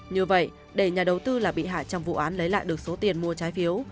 như vậy để nhà đầu tư là bị hại trong vụ án lấy lại được số tiền mua trái phiếu